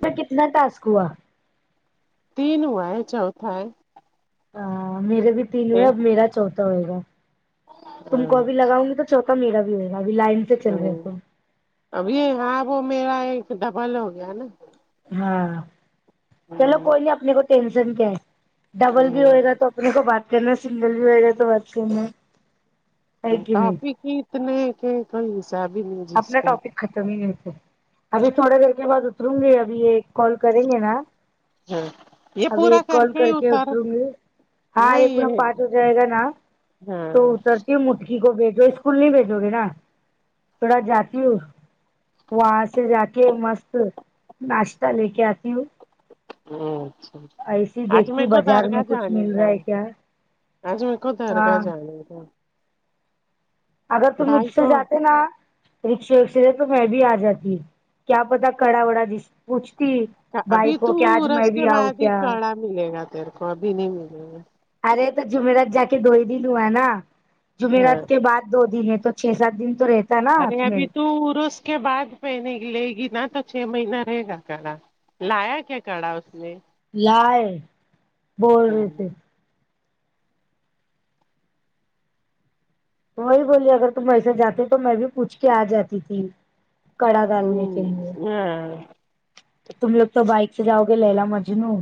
میں کتنا ٹاسک ہوا تین ہوا ہے چوتھا ہے ہاں میرے بھی تین ہوئے ایک۔ اب میرا چوتھا ہوئے گا تم ہاں کو بھی لگاؤں گی تو چوتھا میرا بھی ہوئے گا ابھی لائن سے چل رہے تو ابھی ہاں وہ میرا ایک ڈبل ہو گیا نا ہاں چلو کوئی ہ نہیں اپنے کو ٹینشن کیا ہے ڈبل بھی ہوئے گا تو اپنے کو بات کرنا سنگل بھی ہوئے گا تو بات کرنا ہے کہ نہیں کاپی کی اتنے کہ کون سہ بھی نہیں جس اپنے کا ٹاپک ختم ہی نہیں ہوتے ابھی تھوڑے دیر کے بعد اتروں گی ابھی یہ کال کریں گے نا ہاں یہ ابھی پورا ایک کال ہی کر کے اتر اتروں گی ہاں نہیں ایک میں یہ پانچ ہو جائے گا نا تو ہاں اترتی مٹکی کو بھیجو اسکول نہیں بھیجو گے نا تھوڑا جاتی ہووں وہاں سے جا کے مست ناشتہ لے کے آتی ہوں ا اچھا اچھا ایسی آج دیکھتی ہوں میرے جو بازار میں درگاہ کچھ جانے مل کا رہا ہے کیا اج میں کو درگاہ ہاں جانے کا ہے اگر تم مجھ بھائی سے کو جاتے نا رکشے وکشے د تو میں بھی آ جاتی کیا پتا کڑا وڑا جس پوچھتی بھائی ابھی کو تو کہ آج میں رس بھی کے آؤں بعد ہی کیا کڑا ملے گا تیر کو ابھی نہیں ملے گا ارے تو جمعرات جا کے دو ہی دن ہوا نا ہاں جمعرات کے بعد دو دن ہے تو چھ سات دن تو رہتے ارے ابھی تو عرس کے بعد پہنے کی لے گی نہ تو چھ مہینہ رہے گا کڑا لایا کیا کڑا اس نے ہے بول رہے تھے ہوں وہی بولی اگر تم ویسے جاتے تو میں بھی پوچھ کے آ جاتی تھی کڑا دال نہیں ہوں، کہیںے ہاں تم لوگ تو بائک سے جاؤ گے للا مجنوں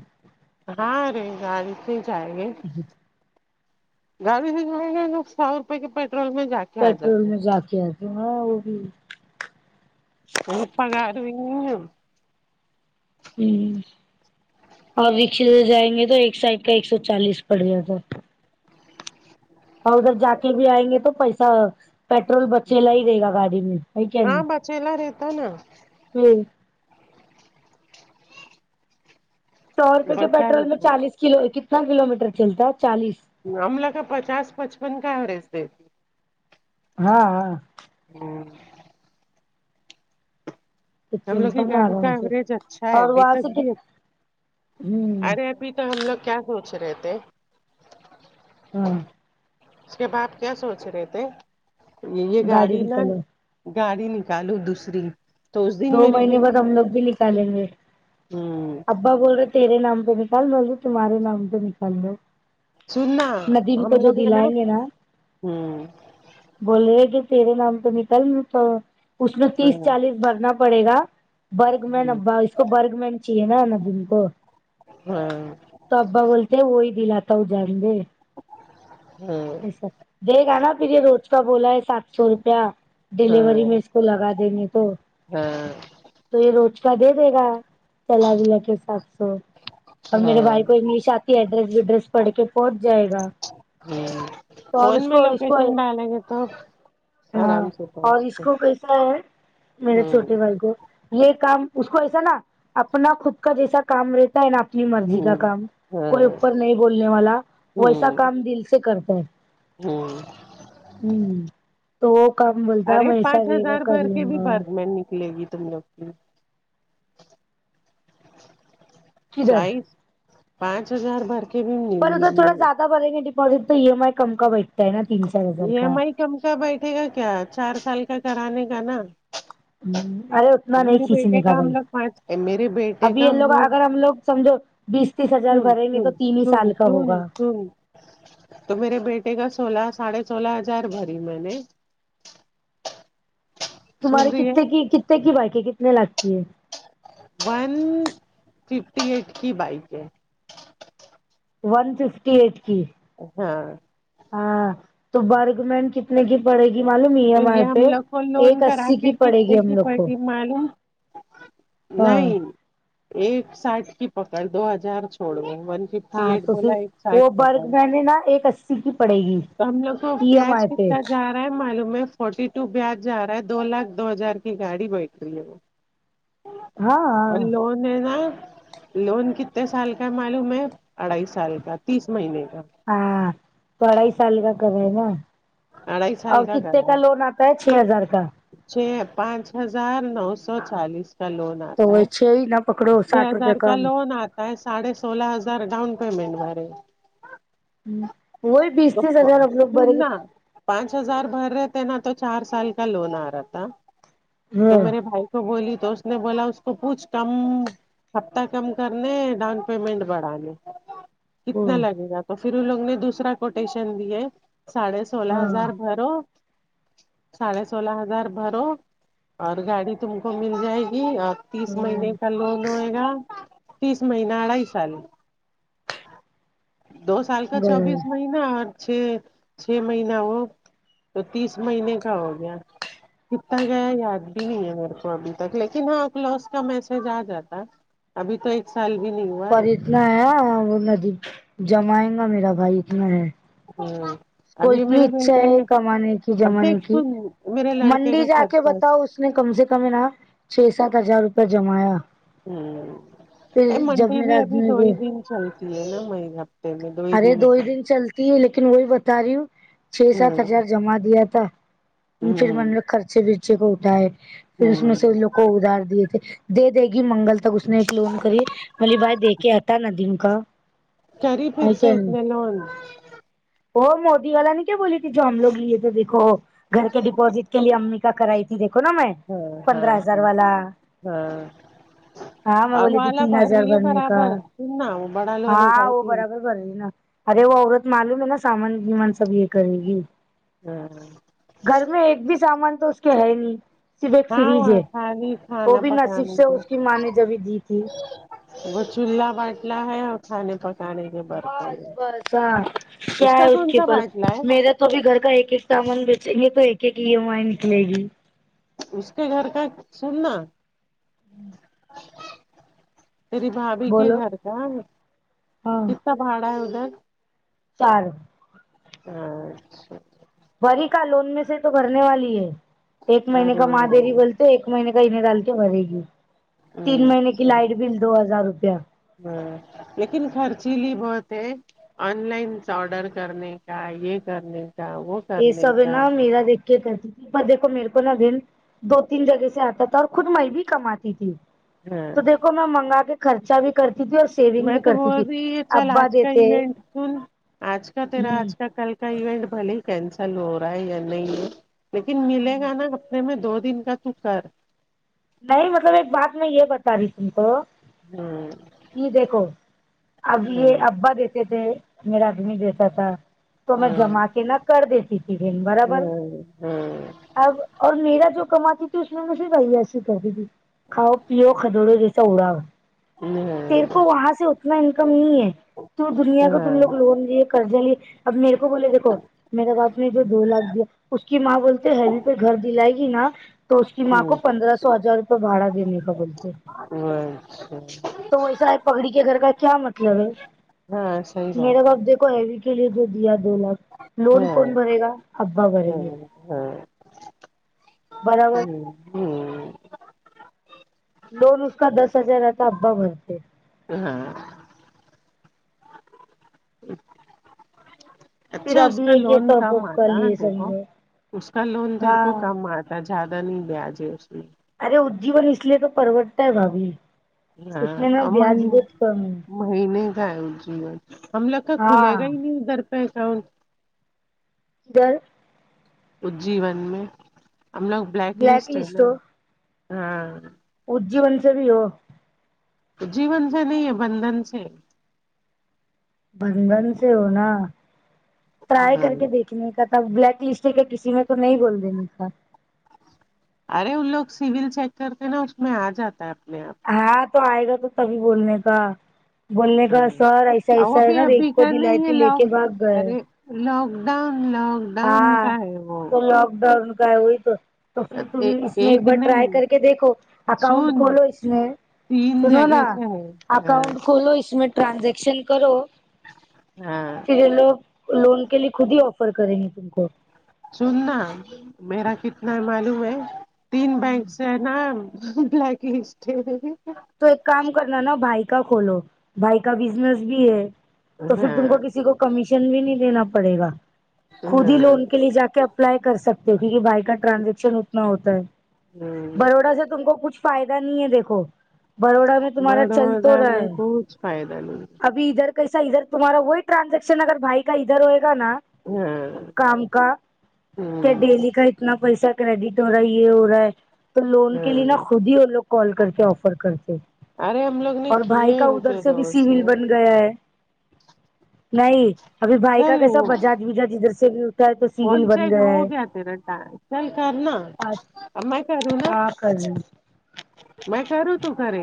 ہاں ری گان سے چاہیے جی گاڑی بھی ج گ سو روپے کے پیٹرول میں جا کے آ پیٹرول جاتے میں جا کے آتی ہ ن وہ بھی ا پک ر بھی ہ اور وکس ہو جائیں گے تو ایک سائڈ کا ایک سو چالیس پڑ گیا تھا اور ادھر جا کے بھی آئیں گے تو پیسہ پیٹرول بچے لے ہی دے گا گاڑی میں نہیں کیا نہیں چلا رہتا نا [unintelligible] سو روپے کے بچا پیٹرول میں رہتا چالیس کلو کتنا کلو میٹر چلتا ہے چالیس ہم ہملہ کا پچاس پچپن کا ہو [unintelligible] ہاں ہاں [unintelligible] تو ہم لوگ کی چلتا نا گاڑی کا آرام سے ایوریج اچھا ہے اور ابھی وہاں تک سے کت ہوں [unintelligible] ابھی تو ہم لوگ کیا سوچ رہے تھے ہاں اس کے باپ کیا سوچ رہے تھے یہ گاڑی نہا گاڑی نکالو دوسری تو اس دن دو میری بہن مہینےمیں ہم لو بھی چلیں گے ہ ابا بول رہے تیرے نام پہ نکال تمہارے نام پہ نکال لو سننا ندیم ہم کو جو لوگ ہیں نا دلائیں گے ھممم بول رہے کہ تیرے نام تو نکل تو اس نے تیس ہاں چالیس بھرنا پڑے گا برگ مین اب اس کو برگ مین چاہیے ندوی کو ہاں ہاں تو ابا بولتے ہیں وہی دلاتے ہو جان دے ھمم [unintelligible] دے گا نا پھر یہ روز کا بولا ہے سات سو روپیہ ڈیلیوری ہاں میں اس کو لگا دیں گے تو ہاں تو یہ روج کا دے دے گا تلا ولا کے حساب سے اور میرے ہاں بھائی کو انگلش آتی ایڈریس وڈریس پڑھ کے پہنچ جائے گا ھممم تو اور فون اس میں کو اس کو لوکیشن ڈلگے تو ہاں آرام سے اور اس پہنچتے کو کیسا ہے ہ ہ میرے ہاں چھوٹے بھائی کو یہ کام اس کو ایسا نا اپنا خود کا جیسا کام رہتا ہیں نا اپنی مرضی کا کام کوئی اوپر نہیں بولنے والا ویسا ہوں کام دل سے کرتا ہے ہوں ھممم تو وہ کام بولتا ارے میں پانچ ایسا رہے گا ہزار کر بھر لوں کے بھی گا بھر میں نکلے گی تم لوگ کدھر سائ پانچ ہزار بھر کے پر تو تھوڑا زائدہ بھرینگا گے ڈپوزٹ تو ای ایم آئی کم کا بیٹھتا ہےا تین چار ہزار ای کا ایم آئی کم کا بیٹھے گا کیا چار سال کا کرانے کا نا اہمم آہو اتنا اب نہیں میرے بیٹے کھینچنےگے کا ہم بھائی لوگ پانچ اے میرے بیٹے ابھی کا یہ ہم لوگ اگر ہم لوگ سمجھو بیس تیس ہزار سن بھریں گے تو سن تین ہی سن سال کا ہوگا سن سن تو میرے بیٹے کا سولہ ساڑھے سولہ ہزار بھری میں نے سن تمہاری رہی ہے کتنے کی کتنے کی بائک ہے کتنے لاکھ کی ہے ون ففٹی ایٹ کی بائک ہے ون ففٹی ایٹ کی ہاں ہاں تو برگ مین کتنے کی پڑے گی معلوم یہ تو ہماں پہ ہم لوگ کو لون ایک کرا اسی کے کی پڑے کتنے گی ہم کی لوگ کو پڑتی معلوم ہاں نہیں ایک ساٹ کی پکڑ دو ہزار چھوڑو ون فف ففٹ ایڈ بولا ایک ساٹ پکڑ نہا ایک اسی کی پڑے گی تو ہم لوگ کو ای ایم پیاز آئی پہ پتا جا معلوم ہے فورٹی ٹو بیاج جا رہا ہے دو لاکھ دو ہزار کی گاڑی بیٹھ رہی ہے وہ ہاں ای ہاں فون نا لون کتنے سال کا معلوم ہے اڑائی سال کا تیس مہینے کا ہاں تو اڑائی سال کا کام ہے نہ اڑائی سال اور کتنے کرا کا ہے لون آتا ہے چھ ہزار کا چھ پانچ ہزار نو سو چالیس کا لون آ تو وہ چھ ہی نہ پکڑو سٹھ روپئے کم ساڈے سولہ ہزار ڈاؤن پیمنٹ بے ہ وہی بیس تو تیس ہزار ہم لوگ بنینگے سننا پانچ ہزار بھر رہے تھے نا تو چار سال کا لون آ رہا تھا تو ہاں میرے بھائی اس کو بولی تو اس نے بولا اس کو کچھ کم ہفتہ کم کرنے ڈاؤن پیمنٹ بڑھانے کتنا ہاں لگے گا تو پھر ان لوگوں نے دوسرا کوٹیشن دی ہے ساڑھے سولہ ہاں ہزار بھرو ساڑھے سولہ ہزار بھرو اور گاڑی تم کو مل جائے گی اور تیس مہینے ہاں کا لون ہوئے گا تیس مہین اڑھائی سال دو سال کا چوبیس مہیین اور چھ چھ مہینہ وہ تو تیس مہینے کا ہو گیا کتتا گیا یاد بھی نہیں ہے میرے کو ابھی تک لیکن ہاں ک لوس کا میسج آ جاتا ابھی تو ایک سال بھی نہیں ہوا پر ہے اتنا ہے وہ ندی جمائے گا میرا بھائی اتنا ہے ہوں اس کو اتنی اچھا ہے کمانے کی اب جمانے دیکھ کی سن میرے لڑکے منڈی کا جا کے خرچہ بتاؤ اس اس نے کم سے کم ہے نا چھ سات ہزار روپے جمایا [unintelligible] ا پھر جب منڈی بھی میرا ابھی آدمی دو ہی کو دن چلتی ہے نا مئی ہفتے میں دو ہی دن ن چلتی ہے لیکن وہی بتا تاری چھ سات ہ ہزار جما دیا تھا پھر ہ لوگ خرچے بھی بچے کو اٹھائے پھر اس میں سے وہ ہ لوگ کو ادھار دیے تھے دے دے گی منگل تک اس نے ایک لون کری علی بھائی دیکھے آتا نہ ڈن کا کری پھر ہے سے کیا نہیں اسنے لونا وہ موودی والا نہیں کیا بولی تھی جم لوگ لیے تھے دیکو گھر کے ڈپوزٹ کے لیے امی کا کرائی تھی دیکھو نا میں ہاں ہاں پندرہ ہزار والا ہاں ہاں میں ار بولی تھی والال تین بھر ہزار رہی ہے بھرنے کا برابر س نا ہ بڑاالو ن کائے تھی [unintelligible] کری نا ارے وہ عورت معلوم ہے نا سامان ومنان سب یہ کرے گی ہاں گھر میں ایک بھی سامان تو اس کے ہے ہی نہیں صرف ایک فریج ہاں ہے خالی وہ کھانا بھی نصیب پکانے سے اس کی ماں نے جبھی دی تھی ا چولہ بٹلا ہے تھاھان پ [unintelligible] بس بس ہاں کیا کا ہے اس کون کے سا پاس باٹلا ہے میرا تو توبھی گھر کا ایک ایک سامان بیچیں یہ تو ایک ایک ای ای آئی نکلے گی اس کے گھر کا سننا تیری بھابھی کے بولو گھر کا کتنا بھاڑا ہے ادھر چارو ا اچھا فری کا لون میں سے تو کرنے والی ہے ایک مہینے کا ارے ماں دری بولتے ایک مہینے کا انہیں ڈال کے بھرے گی تین مہینے کی اچھا لائٹ بل دو ہزار روپیہ ہاں لیکن خرچیلی بہت ہے آن لائن آرڈر کرنے کا یہ کرنے کا وہ یہ کرنے سب ہے کا نا میرا دیک کرتی تھی پر دیکو میرے کو نا بہن دو تین جگہ سے آتا تھا اور خود میں بھی کماتی تھی ہاں تو دیکھو میں منگا کے خرچہ بھی کرتی تھی اور سیونگ میں بھی تو کرتی بول تھی رہی ہے چل ابا آج کا دیتے ایونٹ سن آج کا ہ تیرا آج کا کل کا ایونٹ بھلے ہی کینسل ہو رہا ہے نئی میں لیکن ملے گا نا اپنے میں دو دن کا تو کر نہیں مطلب ایک بات میں یہ بتا رہی تم کو ہوں کہ دیکھو اب یہ ابا دیتے تھے میرا ادمی دیتا تھا تو میں جما کے نہ کر دیتی تھی برابر ہاں اب اور میرا جو کماتی تھی اس میں مجھے کھؤ پیو کھدڑو جیسا اڑاؤ ہوں تیرے کو وہاں سے اتنا انکم نہیں ہے تو دنیا ہاں کا تم لوگ ہاں لون لیے قرضے لیے اب میرے کو بولے دیکھو میرے باپ نے مجھے دو لاکھ دیا اس کی ماں بولتےہے ہائی وے پہ گھر دلائگی نا تو اس کی ماں کو ہوں پندرہ سو سو ہزار روپئے بھاڈا دنے کا بولتے اچھا تو ویسا ہے پگڑی کے گھر کا کیا مطلب ہے ہاں صحیح میرا بات ہے باپ دیک کو ای وی کے لیے جو دیا دو لاکھ ہاں لون کون بھرے گا ابا ہاں بھریں گے ہاں برابر ہاں لون اس کا دس ہزار رہتا ابا بھرتے ہیں ہاں پھر اچھا اسکا ابھی ایک یہ لون ٹاپ کم اپ کر آتا لیے تیرے کو سمجھو اس کا لون تیرے کو ہاں کم آتا زیادہ نہیں بیاج اس میں ارے اججیون اس لیے تو پروٹتا ہے بھابھی اس میں نا ہاں بیاج بہت کم ہے مہینے کا ہے جیون ہم لوگ کا کھلے ہاں گا ہی نہیں ادھر پہچاؤنٹ کدر اجیون میں ہم لوگ بلیک لسٹ ہے نا ہاں اجیون سے بھی وہ جیون سے نہیں ہے بندھن سے بندھن سے ہونا ٹرایی ہاں کر کے دیکھ کھنے کا تھا بلیک لسٹ کا کسی میں تو نہیں بول دینے کا ارے ان لوگ سیول چیک کرتے نا اس میں آ جاتا ہے اپنے آپ ہاں تو آئے گا تو تبھی بولنے کا بولنے آپ کا ہاں سر ایسا اور ایسا وہ ہے بھی نا ایک ابھی کو دلائی تھی لے کے بھگ گئے لوک ڈاؤن ڈاؤن ہاں کا ہے وہ تو لوک ڈاؤن کا ہے وہی تو تو پھر تم اس میں ایک بار ٹرائی کر کے دیکھو اکاؤنٹ سن کھولو اس میں تین سنو نا جگہ سے ہے ہاں اکاؤنٹ کھولو اس میں ٹرانزیکشن کرو ہاں پھر لوگ لون کے لیے خود ہی آفر کریں گے تم کو سننا میرا کتنا معلوم ہے تین بینک سے بلیک لسٹ تو ایک کام کرنا نا بھائی کا کھولو بھائی کا بسسنسس بھی ہے تو پھر تم کو ہاں کسی کو کمیشن بھی نہیں دینا پڑے گا خود ہی ہاں لون کے لیے جا کے اپ اپلائی کر سکتے ہو کیونکہ بھائی کا ٹرانزیکشن اتنا ہوتا ہے ہ بروڈا کا تم کو کچھ فائدہ نہیں ہے دیکھو بڑوڑا بڑوودہ میں کج فائدہ نہیں اب ادھر کیس ادھر تمہارا وہی ٹانزیکشن اگر بھائی کا ادھر ہوئے گا نا ہاں کام کا کیا ہ ڈیلی کا اتنا پیسہ کریڈٹ ہو رہا ہے یہ ہو رہا ہے تو لون ہ کے لیے نا خود ہی وہ لوگ کال کرتے آفر کرتے ارے ہم لوگ نے اور بھائی کیے کا ان ادھر کے سے بھی دوست سیویل نے بن گیا ہے نہیں ابھی بھائی کا چل کیسا وہ بجاج وجاج ادھر سے بھی ہوتا ہے تو سیویل فون بن چیک گیا ہو ہے تیرا ٹائم چل کرنا آج اب میں کروں نا ہا کزن میں کروں تم کرے